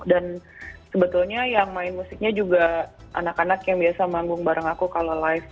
dan sebetulnya yang main musiknya juga anak anak yang biasa manggung bareng aku kalau live